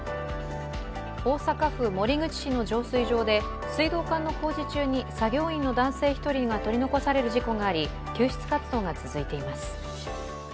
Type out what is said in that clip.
大阪府守口市の浄水場で水道管の工事中に作業員の男性１人が取り残される事故があり救出活動が続いています。